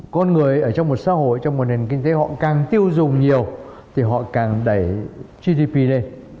con người ở trong một xã hội trong một nền kinh tế họ càng tiêu dùng nhiều thì họ càng đẩy gdp lên